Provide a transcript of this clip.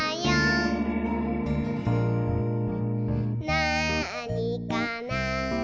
「なあにかな？」